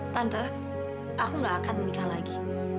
tante aku gak akan menikah lagi